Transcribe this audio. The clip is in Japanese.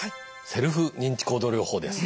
セルフ認知行動療法です。